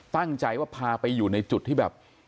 ตั้งใจว่าพาไปอยู่ในจุดที่แบบ